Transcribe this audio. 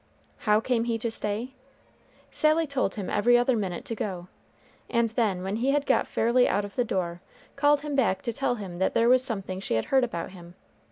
How came he to stay? Sally told him every other minute to go; and then when he had got fairly out of the door, called him back to tell him that there was something she had heard about him.